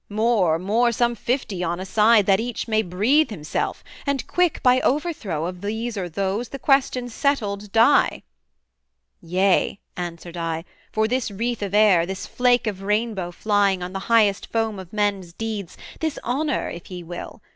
More, more some fifty on a side, that each May breathe himself, and quick! by overthrow Of these or those, the question settled die.' 'Yea,' answered I, 'for this wreath of air, This flake of rainbow flying on the highest Foam of men's deeds this honour, if ye will.